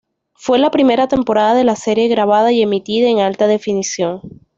Fue la primera temporada de la serie grabada y emitida en alta definición.